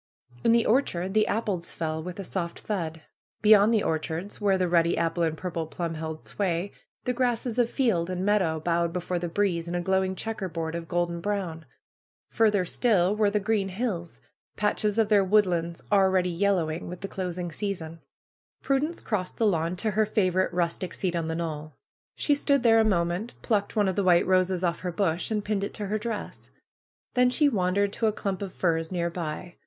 In the orchard the apples fell with a soft thud. Be yond the orchards, where the ruddy apple and purple plum held sway, the grasses of field and meadow bowed before the breeze in a glowing checkerboard of golden brown. Farther still were the green hills, patches of their woodlands already yellowing with the closing season. 198 PRUE'S GARDENER Prudence crossed the lawn to her favorite rustic seat on the knoll. She stood there a moment, plucked one of the white roses off her bush, and pinned it to her dress. Then she wandered to a clump of firs near by.